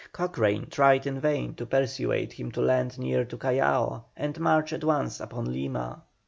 Cochrane tried in vain to persuade him to land near to Callao and march at once upon Lima.